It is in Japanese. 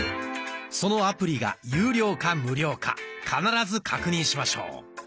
そのアプリが有料か無料か必ず確認しましょう。